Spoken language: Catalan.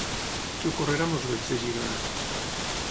Què ocorrerà amb els vells de Girona?